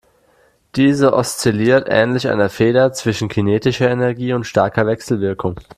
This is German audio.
Diese oszilliert ähnlich einer Feder zwischen kinetischer Energie und starker Wechselwirkung.